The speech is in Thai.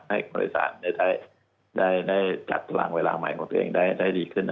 ให้บริษัทได้จัดรางเวลาใหม่ของตัวเองได้ดีขึ้น